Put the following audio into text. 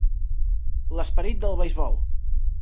L'esperit del beisbol.